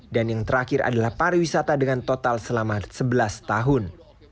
dan yang terakhir adalah pariwisata dengan total selama sebelas tahun